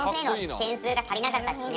点数が足りなかったッチね。